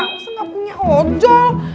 masa gak punya ojol